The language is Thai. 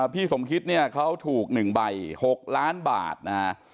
พี่สมคิดเนี่ยเขาถูก๑ใบ๖ล้านบาทนะฮะ